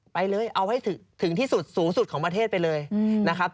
ไปเลยเอาให้ถึงที่สุดสูงสุดของประเทศไปเลยนะครับ